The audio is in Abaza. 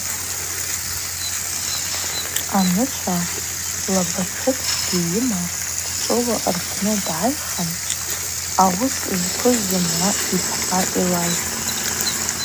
Анычва лабатшытгьи йыма дчӏвыуа рпны дгӏайхын ауыс зквыз зымгӏва йпхӏа йлайхӏвхтӏ.